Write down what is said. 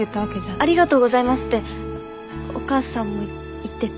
ありがとうございますってお母さんも言ってて。